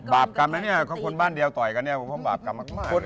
บาปกรรมนั้นเนี่ยเค้าคนบ้านเดียวต่อยกันเนี่ยบาปกรรมมาก